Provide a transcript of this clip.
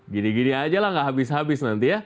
gini gini aja lah gak habis habis nanti ya